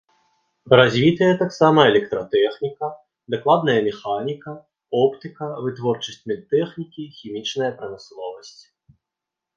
Развітыя таксама электратэхніка, дакладная механіка, оптыка, вытворчасць медтэхнікі, хімічная прамысловасць.